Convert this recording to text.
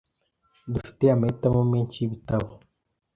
Dufite amahitamo menshi y'ibitabo .